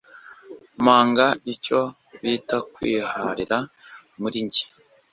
manga icyo bita kwiharira muri nge